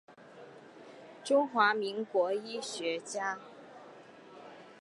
中华民国医学家。